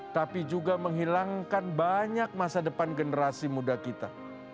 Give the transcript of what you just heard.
tapi juga menghilangkan banyak masa depan generasi muda kita